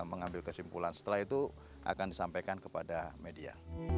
dan mengambil kesimpulan setelah itu akan disampaikan kepada media